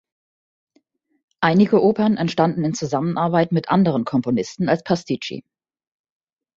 Einige Opern entstanden in Zusammenarbeit mit anderen Komponisten als Pasticci.